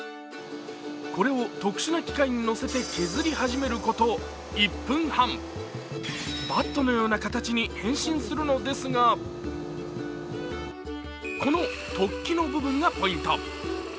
これを特殊な機械にのせて削り始めること１分半、バットのような形に変身するのですがこの突起の部分がポイント。